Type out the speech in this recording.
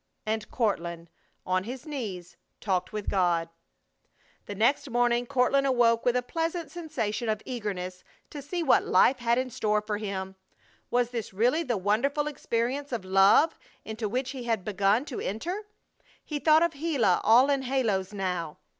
And Courtland, on his knees, talked with God! The next morning Courtland awoke with a pleasant sensation of eagerness to see what life had in store for him. Was this really the wonderful experience of love into which he had begun to enter? He thought of Gila all in halos now.